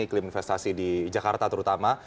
iklim investasi di jakarta terutama